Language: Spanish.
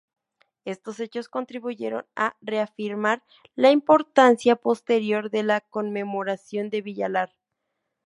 Estos hechos contribuyeron a reafirmar la importancia posterior de la conmemoración de Villalar.